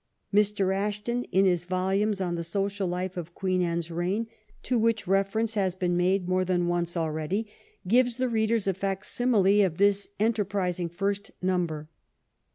Mr. Ashton, in his volumes on the social life of Queen Anne's reign, to which reference has been made more than once already, gives the readers a fac simile of this enterprising first number.